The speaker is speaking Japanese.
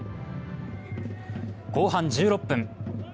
後半１６分。